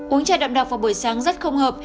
uống chai đậm đặc vào buổi sáng rất không hợp